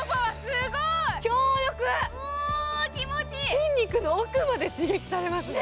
筋肉の奥まで刺激されますね。